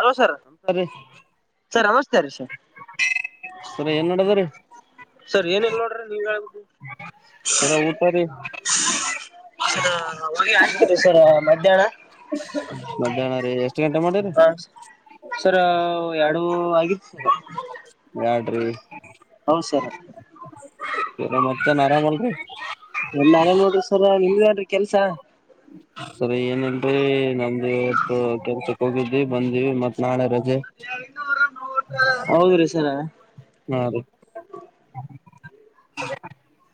Hello sir [inaudible] sir ನಮಸ್ತೆ ರೀ sir ಸರಿ ಏನ್ ನಡದದ್ರಿ ಸರ್ ಏನ ಇಲ್ಲ ನೋಡ್ರಿ ನೀವ್ ಹೇಳ್ಬೇಕು ಹಲೋ ಊಟಾ ರಿ [unintelligible] ಆಗ್ತೀರಿ ಸರ್ ಮಧ್ಯಾಹ್ನ ಮಧ್ಯಾಹ್ನ ರೀ ಎಷ್ಟ್ ಗಂಟೆ ಮಾಡಿರಿ ಹ ಸರ್ ಅವು ಆಡು ಆಗಿತ್ತ್ ಯ್ಯಾಡ್ರಿ ಹೌದ್ ಸರ್ [unintelligible] ಮತ್ತೆನ್ ಆರಾಮಲ್ ರೀ ಇಲ್ಲ ನಾನ ನೋಡ್ರಿ ಸರ್ ನಿಮ್ದೆನ್ರೀ ಕೆಲ್ಸಾ ಸರ್ ಏನಲ್ರೀ ನಮ್ದು ಇವತ್ತು ಕೆಲ್ಸಕ್ ಹೋಗಿದ್ದ್ವಿ ಬಂದಿವಿ ಮತ್ತ್ ನಾಳೆ ರಜೆ [unintelligible] ಹೌದ ರೀ ಸರ ಹಾ ರೀ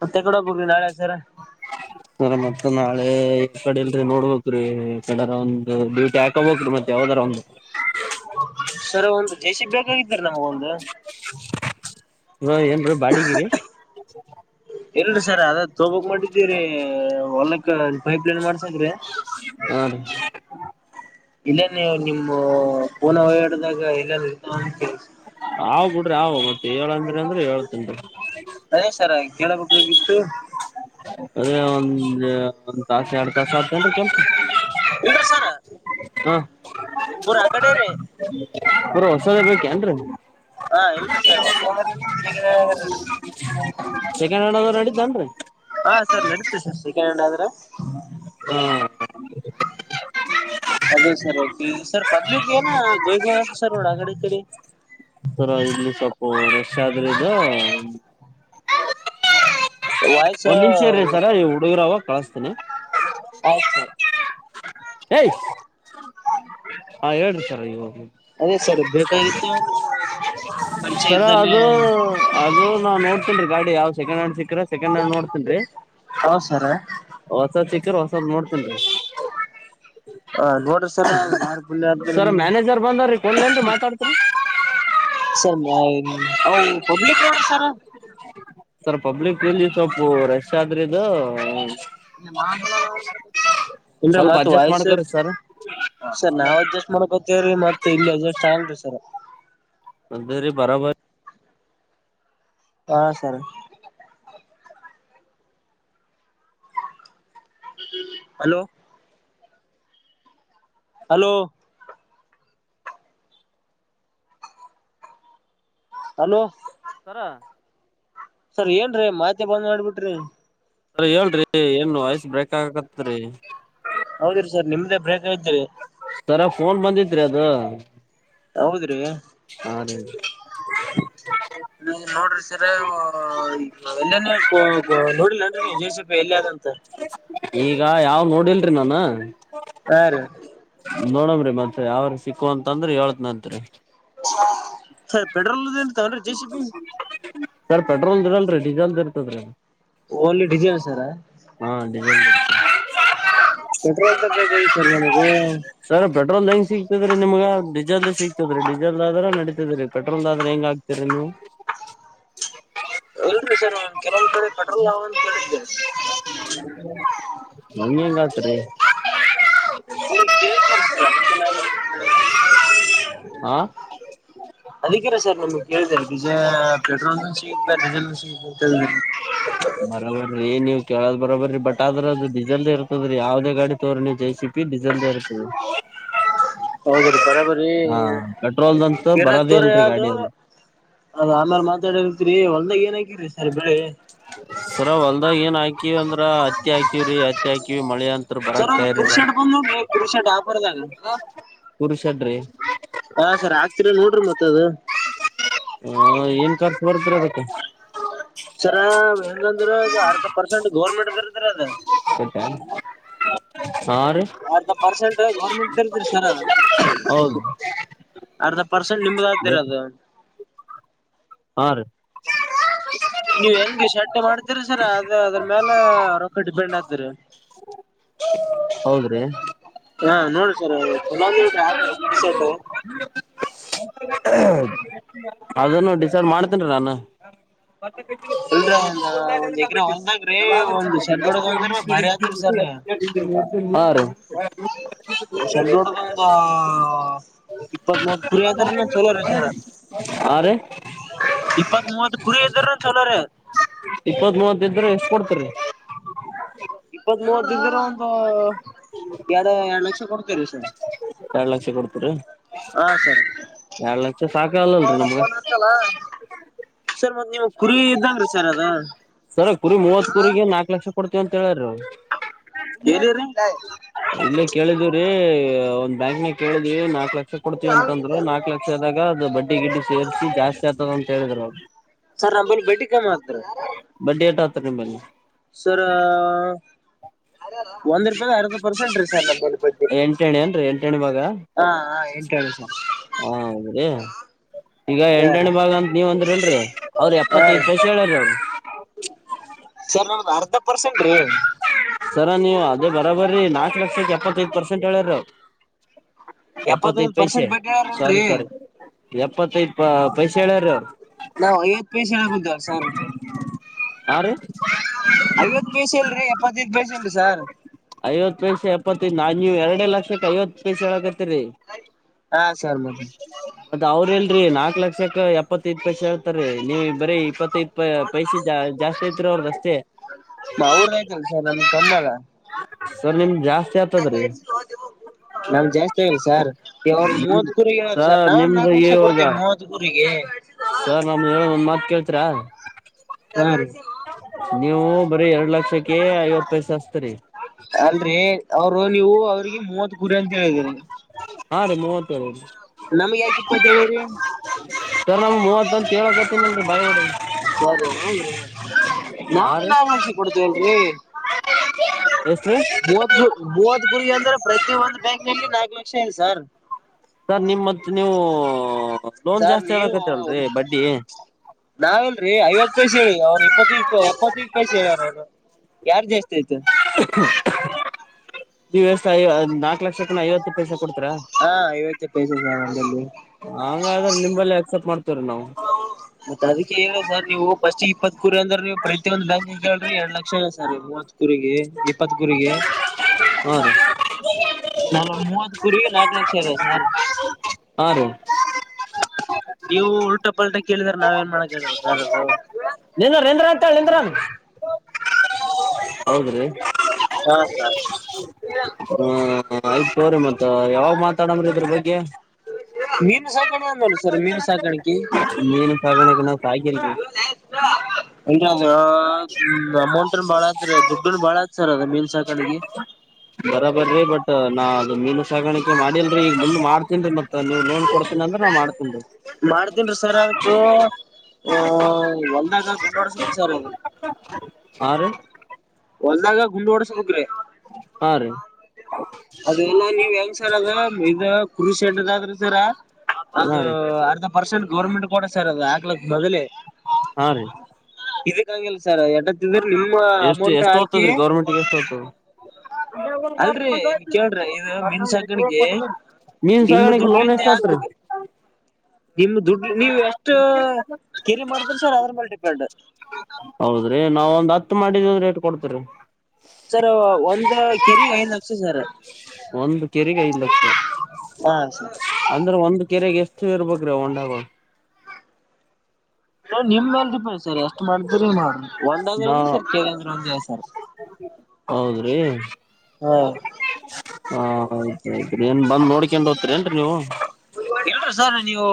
ಮತ್ತ್ ಎಕಡೆ ಹೋಗ್ಬೆಕ್ರಿ ನಾಳೆ ಸರ ಸರ ಮತ್ತ ನಾಳೆ ಈ ಕಡೆ ಇಲ್ರೀ ನೋಡ್ಬೇಕ ರೀ ಎಕಡೆರ ಒಂದು ಡ್ಯೂಟಿ ಆ ತೊಬಕಿಲ್ ಮತ್ತೆ ಯಾವ್ದರ ಒಂದು ಸರ್ ಒಂದ್ ಜೆ ಸಿ ಬಿ ಬೇಕಾಗಿತ್ತ ರಿ ನಮ್ಗ ಒಂದು [unintelligible] ಹ ಏನ್ರೀ ಬಾಡಿಗಿರಿ [unintelligible] ಇಲ್ರಿ ಸರ್ ಅದ ತೊಬೆಕ್ ಮಾಡಿದ್ವೀ ರೀ ಹ್ಮ ಹೊಲ್ಲಕ್ಕ ಪೈಪ್ಲೈನ್ ಮಾಡ್ಸಾಕ್ ರೀ ಹಾ ರಿ ಇಲ್ಲೆ ನೀವು ನಿಮ್ಮೂ ಫೊನ್ ಓಡದಾಗ ಇಲ್ಲ ಇರ್ತ ಕೆಲ್ಸ ಆವ್ ಬಿಡ್ರಿ ಆವ್ ಮತ್ತೆ ಏಳ್ಂದ್ರಿ ಅಂದ್ರೆ ಏಳ್ತಿನ್ ಅದೇ ಸರ ಕೇಳಬೇಕಾಗಿತ್ತ್ ಅದೇ ಒಂದ ಒಂದ್ ತಾಸ ಎರಡ್ ತಾಸ ಆತ ಕೆಲ್ ಇಲ್ದ್ರಿ ಸಾರ್ ಹಾ ರೀ ಬರ ಹೊಸದ ಬೇಕೆ ಅನ್ರಿ ಹಾ ಇಲ್ಷ ಹೊ ಶೇ ಹ ಸೆಕಂಡ್ ಹ್ಯಾಂಡ್ ಆದ್ರೂ ಅಡಿತೇನ್ರಿ ಹಾ ಸರ್ ನಡೀತೀ ಸರ್ ಸೆಕೆಂಡ್ ಹ್ಯಾಂಡ್ ಆದ್ರೆ ಹಾ ಹ ಅದೇ ಸರ್ ಸರ್ ಪಬ್ಲಿಕ್ ಏನ ಗೋಯ್ಬ ಸರ್ ನೋಡ ಆಕಡೆ ಇ ಕಡೆ ತರ ಇಲ್ಲಿ ಸ್ವಲ್ಪ ರಷ್ ಆದ್ರಯಿಂದ ವಾಯ್ಸ್ ಒಂದ್ ನಿಮಿಷ ಇರಿ ಸರ ಈವ ಹುಡುಗರ ಅವಾಗ ಕಳಸ್ತಿನಿ ಆ ಸರ್ ಏಯ ಹಾ ಹೇಳ್ರಿ ಸರ್ ಇ ಹ ಅದೇ ಸರ್ ಬೇಕಾಗಿತ್ತು ನೀ ಏನೇನು ಸರ ಪರಿಚಯ್ದಲ್ಲಿ ಅದು ಅದು ನಾ ನೋತನ್ ಗಾಡಿ ಯಾವ ಸೆಕಂಡ್ ಹ್ಯಾಂಡ್ ಸಿಕ್ ಸಿಕ್ಕ್ರ ಸೆಕೆಂಡ್ ಹ್ಯಾಂಡ್ ನೋಡ್ತನ್ ರಿ ಹೌದು ಸರ್ ಹೊಸದ್ ಚಿಕ್ಕರ ಹೊಸದ್ ನೋಡ್ತನ್ ರಿ ಹ ನೋಡ್ರಿ ಸರ್ ಬುಲ್ ಆದ್ಮೇಲೆ ಸರ್ ನಿಮ್ಗೆ ಮ್ಯಾನೇಜರ್ ಬಂದವ್ರೀ ಕೊನ್ಲೆಂತ ಮಾತಾಡ್ತರಿ ಸರ್ ಅ public road sir sir public ಲ್ಲಿ ಸ್ೊಪ ರಶ್ ಆದ್ರ ಇದು ಇಲ್್ರ ಸ್ವಲ್ಪ ಮತ್ ಅಡ್ಜಸ್ಟ್ ವಯಸ್ಸ ಮಾಡ್ಕೋರಿ ಸರ್ ಸರ್ ನಾವ್ ಅಡ್ಜಸ್ಟ್ ಮಾಡ್ಕೊತೇವ್ರೀ ಮತ್ತ ಇಲ್ಲಿ ಅಡ್ಜಸ್ಟ್ ಆಲ್ರಿ ಸರ್ ಅದ ರ ಬರಬರ ಹಾ sir hello hello hello sir sir ಏನ್ರೀ ಮಾತೆ ಬಂದ್ ಮಾಡ್ಬಿಟ್ರಿ ಅರಿ ಹೇಳ್ರಿ ಏನ್ ವಾಯ್ಸ್ ಬ್ರೇಕ್ ಆಗಕತ್ರಿ ಹೌದಿರಿ ಸರ್ ನಿಮ್ದೇ ಬ್ರೇಕ್ದರಿ ಸರ ಫೋನ್ ಬಂದಿದ್ರರಿ ಅದು ಹೌದ್ರಿ ಹಾ ರಿ [unintelligible] ನೀ ನೋಡ್ರಿ ಸರಿ ಎಲ್ಲನ ನೋಡಿಲ್ಲನ್ರಿ ಜಯಸಪಿ ಎಲ್ಲಿ ಅಗಂತ ಈಗ ಯಾವ್ ನೋಡಿಲ್ರಿ ನಾನ ಹಾ ಸರಿ ನೋಡಮ್ರರಿ ಮತ್ ಯಾವ್ರ ಸಿಕ್ಕು ಅಂತಂದ್ರ ಹಏಳ್ತ್ನಂತ್ರಿ ಸರ್ ಪೆಟ್ರೋಲ್ಂತಾವನ್ J C P sir petrol ಇರಲ್ರಿೀ ಡೀಸೇಲ್ ಇರ್ತದ್ರೀ ಓನ್ಲಿ ಡಿಸೈನ್ ಸರ ಹ ಅದೇ ಪೆಟ್ರೋಲ್ ಬೇಕದೆ ಸರ್ ನಮಗೂ ಸರ್ ಪೆಟ್ರೋಲ್ದ ಹೆಂಗ ಸಿಗ್ತದ್ರೀ ನಿಮ್ ಡೀಸೆಲ್ ಸಿಗ್ತದ್ರ ಡಿಸೆಲ್ದ ಆದ್ರ ನಡಿತದ್ರೀ ಪೆಟ್ರೋಲ್ ಆದ್ರೆ ಹೆಂಗ ಆಗ್ ಇನ್ನು ಇಲ್ರರಿ ಸರ್ ಒಂದ್ ಕೆಲವೊಂದು ಕಡೆ ಪೆಟ್ರೋಲ್ ಯಾವ ಅಂತ ಕೇಳಿದಿ ನಂ ಹೆಂಗೆಗ ಆತ್ರಿ ಇಲ್ಲಿ ಕೇಳಿದ್ದೇನೆ ಸರ್ ಅದಕ್ಕೆ ನಾನ ಕೇಳನೆ ಹಾ ಅದಕ್ಕಿರಾ ಸರ್ ನಿಮ್ಗೆಳಿದೆೆ ಡೀಸಲ್ ಪೆಟ್ರೋಲ್ ಸಿಗಿಲ್ಲ ಡೀಸೆಲ್ ಸಿಗ ಅಂತ ಕೇಳಿದೆ [unintelligible] ಬರೋಬ್ರರಿ ನೀವು ಕೇಳೋ ಬರೋಬರಿರೀ ಬಟ್ ಆದ್ರ ಅ ಡಿಸಲ್ದ ಇರ್ತದ್ರೀ ಯಾವ್ದೇ ಗಾಡಿ ತೋರಿ ನೀವು ಜೇಸಿಬೀ ಡಿಸೈಲ್ ದ ಇರುತ್ತದ ಹೌದ್ರೀ ಬರಾಬರರಿ ಹಾ ಪೆಟ್ರೋಲ್ದಂತ ಇರ್ನಾಗ ಬರದೇ ತೋರ ಇಲ್ರಿ ಗಾಡಿ ಯಾವ್ದರು ಅದು ಅದ ಆಮೇಲೆ ಮಾತಾಡರ್ತಿರಿ ಹೋಲ್ದಾಗ ಏನ್ ಹಾಕಿರಿ ಸರಿ ಸಾಹೇಬ್ರ ಸರ ಹೊಲ್ದಾಗ ಏನ್ ಹಾಕಿವವ ಅಂದ್ರ ಹತ್ತಿ ಹಾಕಿವವ್ರೀ ಹತ್ತಿ ಹಾಕಿವ ಮಳೆ ಅಂತ ಸರ್ ಬರಾಕ್ ಒಂದ್ ತಯಾರಿಲ್ಲ ಕುರಿಶಡ್ ಬಂದದ ನೋಡ್ರಿ ಕುರಿ ಷಡ್ ಆಫರ್ ದಾಗ ಕುರಿ ಶೆಡ್ರಿ ಹಾ ಸರಿ ಆಗ್ತಿರನ್ ನೋಡ್ರಿ ಮತ್ತತ್ ಅದು ಹ ಏನ್ ಖರ್ಚು ಬರ್ದ್ರ ಅದಕ್ಕ ಸರ ಹೆಂಗಂದ್ರ ಅದು ಅರ್ಧ ಪರ್ಸೆಂಟ್ ಗೋರ್ಮೆಂಟ್ ಇರ್ದ್ರ ಅದ ಸೆಡ್ ಹಾ ರಿ ಅರ್ಧ ಪರ್ಸೆಂಟ್ ಗೌರ್ಮೆಂಟ ಇರ್ತ್ರಿ ಸರ್ ಹೌದು ಅರ್ಧ ಪರ್ಸೆಂಟ್ ನಿಮ್ದ ಆತಿದ ನಿಮ್ಮದು ಹಾ ರೀ ನೀವ್ ಹೆಂಗ್ಗೆ ಶಡ್ಡ ಮಾಡ್ತೀರಿ ಸರ್ ಅದ ಅದ್ರ ಮೇಲೆ ರೊಕ್ಕ ಡಿಪೆಂಡ್ ಆಗ್ತರಿ [inaudible] ಹೌದ್ರಿ ಹಾ ನೋಡ್ರಿ ಸರ್ [unintelligible] ಕುರಿ ಶೆಡ್ಡು ಅದನ್ನು ಡಿಸೈಡ್ ಮಾಡ್ತೇನ್ ನಾನು ಇಲ್ರ ಒಂದ್ ಒಂದ್ ಎಕರೆ ಹೊಲ್ದಾಗ್ರಿ ಒಂದ್ ಶೆಡ್ ಹೊಡದ ಅಂದ್ರ ಭಾರಿ ಆತ್ರಿ ಸರ್ ನೀವ್ [unintelligible] ಹಾರಿ ದೊಂದು ಇಪ್ಪತ್ ಮೂವತ್ ಕುರಿ ಆದ್ರ ಚಲೋ ರೀ ಸರ್ ಹಾರಿ ಇಪ್ಪತ್ ಮೂವತ್ ಕುರಿ ಇದ್ದ್ರ ಚಲೋರಿ ಇಪ್ಪತ್ ಮೂವತ್ ಇದ ಇದ್ರೆ ಎಷ್ಟ ಕೊಡ್ತರಿ ಇಪ್ಪತ್ ಮೂವತ್ತರ ಒಂದು ಎರಡು ಎರಡ್ ಲಕ್ಷ ಕೊಡ್ತರಿ ಸರ್ ಎರಡು ಲಕ್ಷ ಕೊಡ್ತೀರಿ ಸರಿ ಎರಡ್ ಲಕ್ಷ ಸಾಕಾಗಲ್ಲಲ್ರರಿ ನಮ್ಗ ಸರ್ ಮತ್ತ್ ನೀವು ಕುರಿ ಇದ್ದಗರೀ ಸರ್ ಅದ ಸರಿ ಕುರಿ ಮೂವತ್ ಕುರಿರಗೆ ನಾಕ್ ಲಕ್ಷ ಕೊಡ್ತೀವಿ ಅಂತ ಹೇಳ್ರಿ [unintelligible] ಇಲ್ಲೇ ಕೇಳಿದಿವ್ರೀ ಒಂದ್ ಬ್ಯಾಂಕ್ನ ಕೇಳಿದಿವವಿ ನಾಕ್ ಲಕ್ಷ ಕೊಡ್ತೀವ ಅಂತಂದ್ರ ನಾಕ್ ಲಕ್ಷ ದಾಗ ಅದು ಬಡ್ಡಿ ಗಿಡ್ಡಿ ಸೇರಿಸಿ ಜಾಸ್ತಿ ಆಗ್ತದ ಅಂತ ಹೇಳಿದ್ರು ಅವರು ಸರ್ ನಂಬಲ್ಲಿ ಬಡ್ಡಿ ಕಮ್ ಆಗ್ತದ್ರಿ ಬಡ್ಡಿಯಟ ಅತ್ರ ನಿಮ್ಮಬಲ್ಲಿ ಸರಾ ಒಂದ್ ರೂಪಾಯ ಅರ್ಧ ಪರ್ಸೆಂಟ್ ರೀ ಸರ್ ನಮ್ ಎಂಟಣಿ ಅನ್ರಿ ಎಂಟಣಿ ಭಾಗ. ಹಾ ಹಾ ಎಂಟಣಿ ಸರ್. ಹ ಹೌದ್ರೀ ಈಗ ಹಾ ರೀ ಎಂಟಣಿ ಭಾಗ ಅಂತ ನೀವ ಅಂದ್ರಿ ಅಲ್ರಿ ಅವ್ರ್ ಹಾ ಎಪ್ಪತ್ತೈದ್ ರೀ ತ [unintelligible] ಸರ್ ನ ಅರ್ಧ ಪರ್ಸೆಂಟ್ ರೀ. ಸರ ನೀವು ಅದ ಬರಾಬರಿ ನಾಲ್ಕು ಲಕ್ಷಕ್ ಎಪ್ಪತ್ತೈಪರ್ಸೆಂಟ್ ಹೇಳಾರ. ಎಪ್ಪತ್ತೈದ ಎಪ್ಪತ್ತೈದು ಪೈಸೆ ಪರ್ಸೆಂಟ್ ಬಡ್ಡಿ ಸಾರಿ ಹೇಳ್ರಲ್ರರಿ ಸಾರಿ ಎಪ್ಪತ್ತೈದ ಪ ಪೈಸೆ ಹೇಳಾರು ನಾವ್ ಐವತ್ ಪೈಸೆ ಹೇಳಕುಂತೇವ್ ಸರ್ ಹಾ ರೀ. ಐವತ್ ಪೈಸೆ ಇಲ್ರರಿ ಎಪ್ಪತ್ತೈದು ಪೈಸೆ ನ್ರಿ ಸರ್ ಐವತ್ತು ಪೈಸೆ ಎಪ್ಪತ್ತೖದ್ ನಾನ್ ನೀವು ಎರಡೇ ಲಕ್ಷಕ್ಕೆ ಐವತ್ತು ಪೈಸೆ ಆನಗತ್ತ್ ಕತ್ತರೀ. ಹಾ ಸರ್ ಮತ್ತೆ ಮತ್ತ ಅವ್ರೆಲ್ರೀ ನಾಲ್ಕ್ ಲಕ್ಷಕ್ಕ ಎಪ್ಪತ್ತೈತ್ ಪೖಸ ಹೇಳ್ತಾರೀ ನೀವ ಬರೀ ಇಪ್ಪತ್ತೈದ್ ಪ ಪೈಸೆ ಜಾಸ್ತಿ ಐತ್ ಅವ್ರದ್ದ್ ಅಷ್ಟೇ. [unintelligible] ಕಮ್ಮಲ್ಲ ಸರ್ ನಿಮ್ದ ಜಾಸ್ತಿ ಆಗ್ತದ್ರೀ. ನಮ್ ಜಾಸ್ತಿ ಆಗಲ್ ಸಾರ್. ಅವ್ರ್ ಮೂವತ್ ಕುರಿಗೆ ಯಾವ್ದ್ ಸರ್ ನಾವ್ ನಿಮ್ದು ನಾಕ್ ಲಕ್ಷ ಇವಾಗ ಕೊಡ್ತೇವಿ ಮೂವತ್ ಕುರಿಗೆ. ಸರ್ ನಮ್ ಹೇಳ ಮಾತ್ ಕೇಳ್ತೀರಾ? ಹೀ [unintelligible] ನೀವು ಬರೀ ಎರಡ್ ಲಕ್ಷಕ್ಕೆ ಐವತ್ತು ಪೈಸ ಅಚ್ತರಿ. ಅಲ್ರೀ ಅವ್ರು ನೀವು ಅವ್ರಿಗೆ ಮೂವತ್ ಕುರಿ ಅಂತ ಹೇಳಿದ್ರಿ. ಹಾ ರೀ ಮೂವತ್ತು. ನಮ್ಗೆ ಯಾಕ್ ಇಪ್ಪತ್ತೇಳಿರಿ. ಸರ್ ನಮ್ ಮೂವತ್ತು ಅಂತ್ ಕೇಳಕತ್ತೀನ [unintelligible] ಸರಿ ಹೋಗ್ರಿ ಹಾ ನಾನ್ ರೀ ನಾವ್ [unintelligible] ಕೊಡ್ತೇವಲ್ರರಿ. [unintelligible] ಮೂವತ್ ಕು ಮೂವತ್ ಕುರಿ ಅಂದ್ರೆ ಪ್ರತಿ ಒಂದ್ ಬ್ಯಾಂಕ್ ನಲ್ಲಿ ನಾಲ್ಕು ಲಕ್ಷ ಇದೆ ಸರ್. ಸರ್ ನಿಮ್ತ್ ನೀವು ಲೋನ್ ಸರ್ ಜಾಸ್ತಿ ಹೇಳಕತ್ತೀರಲ್ರಿ ಬಡ್ಡಿ. ನಾವ್ಲ್ರರಿ ಐವತ್ತು ಪೈಸೆ ಹೇಳಿ ಅವ್ರು ಇಪ್ಪತ್ತೈದು ಇಪ್ಪತ್ತೈದು ಪೈಸೆ ಹೇಳ್ಯಾರ ಅವ್ರು ಯಾರ್ದ್ ಜಾಸ್ತಿ ಆಯ್ತು. ನೀವ್ ಹೇಳ್ತಾ ನಾಲ್ಕು ಲಕ್ಷಕ್ಕನ ಐವತ್ತು ಪೈಸಾ ಕೊಡ್ತೀರಾ. ಹಾ ಐವತ್ತು ಪೖಸ [unintelligible] ಹಂಗಾದ್ರೆ ನಿಂಬಲ್ಲ ಆಕ್ಸೆಪ್ಟ್ ಮಾಡ್ತವ್ರೀ ನಾವು. ಮತ್ ಅದಕ್ಕೆ ಹೇಳದ್ ಸರ್ ನೀವು ಫಸ್ಟ್ ಇಪ್ಪತ್ ಕುರಿ ಅಂದ್ರ ನೀವು ಪ್ರತಿಯೊಂದ್ ಬ್ಯಾಂಕ್ ಕೇಳ್ರಿ ಎರಡ್ ಲಕ್ಷ ಇದೆ ಸರ್. ಮೂವ ಕುರಿಗೆ ಇಪ್ಪತ್ ಕುರಿಗೆ. ಹಾ ರೀ ನಾವೂಂದ್ ಮೂವತ್ ಕುರಿಗ್ ನಾಲ್ಕು ಲಕ್ಷ ಇದೆ ಸಾರ್. ಹಾ ರೀ ನೀವು ಉಲ್ಟಾ ಪಲ್ಟಾ ಕೇಳಿದ್ರ ನಾವ್ ಏನ್ ಮಾಡಕಾಗಲ್ಲ ಸರ್ ಅದು. ನಿನ್ ನಿನ್ದ್ರ ಅಂಟ ಹೇಳಿ ನಿನ್ದ್ರನ್. ಹೌದ್ರೀ ಹಾ ಸರ್ ಹ ಆಯ್ತು ಹೋರಿ ಮತ್ತ ಯಾವಾಗ ಮಾತಾಡಣಮ್ರಿ ಇದ್ರ ಬಗ್ಗೆ. ಮೀನು ಸಕಾಣೆ ನೋಡಿ ಸರ್ ಮೀನು ಸಾಕಾಣಿಕೆ. ಮೀನು ಸಾಗಣೆ ನಾವ್ ಸಾಕಿಲ್ರೀ. [unintelligible] ದ ಅಮೌಂಟ್ನ್ ಬಾಳದ್ರ ದುಡ್ಡನ್ ಬಾಳತ್ ಸರ್ ಅದ ಮೀನ್ ಸಾಕ ಅಡ್ಗಿ. ಬರಾಬರ್ರರಿ ಬಟ್ ನಾ ಅದು ಮೀನು ಸಾಗಾಣಿಕೆ ಮಾಡಿ ಅಲ್ರಿ ಈಗ ಮುಂದ್ ಮಾಡ್ತೀನ ರಿ ಮತ್ತ ನೀವ ನೋ. [unintelligible] [inaudible] ಕೊಡ್ತನ ಅಂದ್ರ ನಾ ಮಾಡ್ತೀನಿ ರಿ. ಮಾಡ್ತನ್ರಿ ಸರ್ ಅದು ಅ ಒಂದಾಗ ಗುಂಡಾಡಸ್ಬ ಸರ್ ಅದ. ಹಾ ರಿ. ಹೊಲ್ದಾಗ ಗುಂಡ್ ಹೊಓಡ್ಸ ಬೆಕ್ರಿ. ಹಾ ರೀ. ಅಲ್ಲ ನೀವ್ ಹೆಂಗ ಸರ್ ಅದ ಇ ಕೃಷಿಟದ ಆದ್ರೆ ಸರ ಹಾ ಅದು ರೀ ಅರ್ಧ. ಪರ್ಸೆಂಟ್ ಗೌರ್ಮೆಂಟ್ ಕೂಡ ಸೇರದು ಆಗ್ಲಕ್ ಬದಲಿ. ಹಾ ರೀ. ಇದಕ್ಕಂಗಿಲ್ಲ ಸರ್ ಎಡತ್ತಿದ್ರ ನಿಮ್ಮ ಅಮೌಂಟ್. ಎಷ್ಟ ಹಾಕಿ ಹೋಗ್ತೇತಿ ಗೌರ್ಮಂಟ್ಗೆ ಎಷ್ಟ ಹೋಗ್ತದ. ಅಲ್ರರಿ ಇನ್ ಕೇಳ್ರಿ ಇದು ಮೀನ್ ಸಾಕಣಿಗೆ ಮೀನ್ ಸಗಾಣಕ್ಕೆ ಲೋನ್ ಎಷ್ಟ ಆಯ್ತ್ರಿ. ನಿಮ ದುಡ್ ನೀವು ಎಷ್ಟು ಕೆರಿ ಮಾಡಿದ್ರ ಸರ್ ಅದ್ರ ಮೇಲೆ ಡಿಪೆಂಡ್. ಹೌದ್ರಿ ನಾವ ಒಂದ್ ಹತ್ತು ಮಾಡಿದ್ವಿ ಅಂದ್ರ ಎಷ್ಟ ಕೊಡ್ತರಿ. ಸರ್ ಒಂದು ಕೆರೆಗ್ ಐದ್ ಲಕ್ಷ ಸರ್. ಒಂದು ಕೆರೆಗೆ. ಐದ ಲಕ್ಷ ಹಾ ಸರ್ ಅಂದ್ರೆ ಒಂದು ಕೆರೆಗೆ ಎಷ್ಟು ಇರ್ಬೇಕ್ರಿ ಹೊಂಡಾಗ. ನ ನಿಮ್ಮ ಮೇಲೆ ಡಿಪೆಂಡ್ ಸರ್ ಎಷ್ಟು ಮಾಡಿದ್ರ ಮಾಡ್ರ ನಾ ಒಂದ್ದ ಸರ್ ಕೇಳಂದ್ರಂದ ಸರ್. ಹೌದ್ರಿ. ಹಾ. ಹಾ ಆಯ್ತ ಆಯ್ತ್ರಿ ಏನ್ ಬಂದ್ ನೋಡ್ಕೊಂಡು ಹೋಗದ್ತರಿ ಏನ್ರಿ ನೀವು. ಇಲ್ ಸರ್ ನೀವು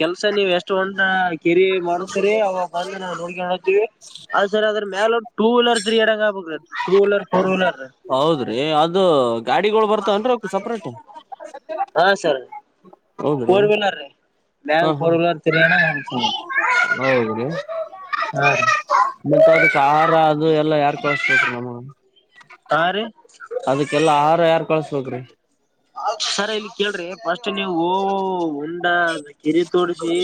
ಕೆಲ್ಸ ನೀವು ಎಷ್ಟು ಒಂಟ. ಕಿರಿ ಮಾಡತರಿ ಅವಾಗ ಬಂದ ನಾವು ಹುಡುಗಿ ಹತೀವಿ ಅದ ಸರ್ ಅದ್ರ ಮೇಲೊ. ಟೂ ವೀಲರ್ ತ್ರೀ ಅಡಂಗ ಆಗ್ಬೇಕರಿ ಟೂ ವೀಲರ್ ಫೋರ್ ವೀಲರ್. ಹೌದ್ರಿ ಅದು ಗಾಡಿಗಳು ಬರ್ತಾವನ್ರೀ ಅವ ಸಪ್ರೇಟ್. ಹಾ ಸರ್ ಹೌದ್ರಿ ಫೋರ್ ವೀಲರ್ ಮ್ಯಾಗ ಹಾ ಫೋರ್ ವೀಲರ್ ತಿರಣ. ಹೌದುದು. [inaudible] ಹಾ ರೀ. ಮತ್ತ ಅದಕ್ಕೆ ಆಹಾರ ಅದು ಎಲ್ಲಾ ಯಾರ್ ಕಳಸ ಬೇಕರಿ ನಮಗ. ಹಾ ರೀ. ಅದಕ್ಕೆಲ್ಲಾ ಆಾರ ಯಾರ್ ಕಳ್ಸ್ಬೇಕ್ರಿ. ಸರ್ ಇಲ್ಲಿ ಕೇಳ್ರಿ ಫಸ್ಟ್ ನೀವು ಉಂಡ ಕೆರೆ ತೋಡ್ಸಿ.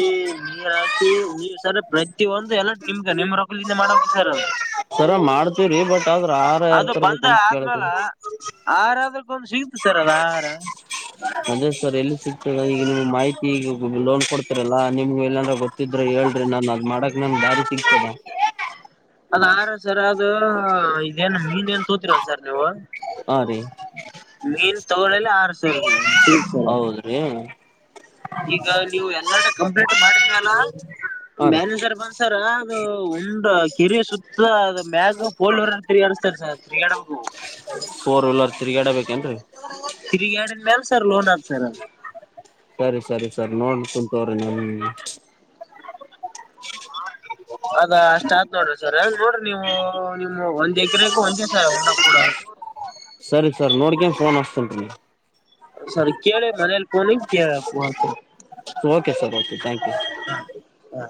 ನೀರ್ ಹಾಕಿ ನೀವ್ ಸರ ಪ್ರತಿಯೊಂದು ಎಲ್ಲ ನಿಮ್ಗ ನಿಮ್ ರೊಕಲಿಂದ ಮಾಡಬೇಕು ಸರ್ ಅದು. ಸರ ಮಾಡ್ತ. ವಿ ಬಟ್ ಆದ್ರೆ ಆಹಾರ ಯಾರ್ ಅದು ತರ್ಬೇಕ ಬಂದ ಅಂತ ಆದ್ಮೇಲ ಕೇಳತೇನಿ. ಆಹಾರ ಅದಕ್ಕೊಂದು ಸಿಗತ್ ಸರ್ ಅದ ಆಹಾರ ಅದೇ ಸರ್ ಎಲ್ಲಿ ಸಿಗ್ತದೆ ಈಗ ನಿಮ್ಗೆ ಮಾಹಿತಿ ಈಗ ಲೋನ್ ಕೊಡ್ತ. ಇಲ್ಲಾ ನಿಮ್ಗೆ ಎಲ್ಲಾಂದ್ರ ಗೊತ್ತಿದ್ರೆ ಹೇಳ್ರಿ ನನ್ ಅದ್ ಮಾಡಾಕ್ ನನ್ ಬಾರಿ ಸಿಗ್ತದ. ಅದ್ ಆರ ಸರ ಅದು. ಏನ್ ಮೀನ್ ಏನ್ ತೋತಿರಲ್ಲ ಸರ್ ನೀವು. ಹಾ ರೀ ಮೀನ್ ತಗೊಳ್ಳಲ್ಲ ಆರು ಸಾವಿರ. ಹೌದ್ರಿ. ಈಗ ನೀವು ಎಲ್ಲರಡೆ ಕಂಪ್ಲೇಂಟ್ ಮಾಡಿದ್ಮ್ಯಾಲ ಹಾ ರೀ ಮ್ಯಾನೇಜರ್ ಬಂದ. ಸರ್ ಅದು ಒಂದು ಕಿರಿಯ ಸುತ್ತ ಅದ ಮ್ಯಾಗ ಫೋರ್ ವ್ಹೀಲರ ತಿರಗ್ಯಾಡ್. [unintelligible] ಫೋರ್ ವೀಲರ್ ತಿರಗಾಡ ಬೇಕೇನ್ರೀ. ತಿರ್ಗಗಾಡಿಮೆಲ್ ಸರ್ ಲೋನ್ ಆಗ್ತದ. ಸರಿ ಸರಿ ಸರಿ ನೋಡ್ಕಂತವ್ರಿ ನೀ ಅದ ಅಷ್ಟ ಆತ್ದ್ ನೋಡ್ರಿ ಸರ್ ನೋಡ್ರಿ ನೀವು ನಿಮ ಒಂದ್ ಎಕರೆಕ್ ಒಂದೆ ಸರ್ [unintelligible] ಸರಿ ಸರ್ ನೋಡ್ಕೇದ್ ಫೋನ್ ಹಸ್ತನೀರಿ. ಸರಿ ಕೇಳಿ ಮನೇಲಿ ಪೋನಂಗ [unintelligible] okay sir okay thank you. ಹ ಹಾ.